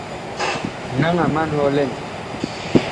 Naŋ a man hɔ lɛn.